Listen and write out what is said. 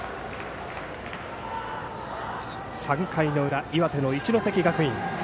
３回の裏、岩手の一関学院。